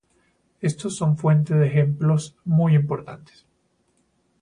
Estos son fuente de ejemplos muy importantes.